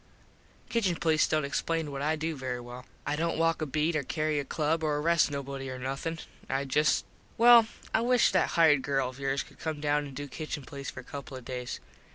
Kitchen police dont explain what I do very well. I dont walk a beet or carry a club or arrest nobody or nothin. I just well I wish that hired girl of yours could come down an do Kitchen police for a couple of days.